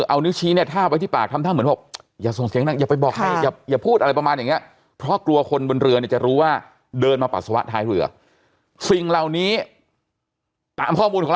เอานึกชีมาให้ที่ปากท่าเหมือนหรือบอก